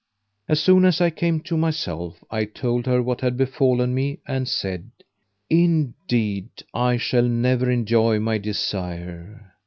As soon as I came to myself, I told her what had befallen me and said, Indeed, I shall never enjoy my desire."